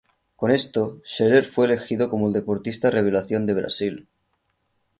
Con esto, Scherer fue elegido como el deportista revelación de Brasil.